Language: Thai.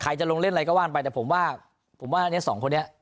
ใครจะลงเล่นอะไรก็ว่างไปแต่ผมว่าผมว่าเนี้ยสองคนเนี้ย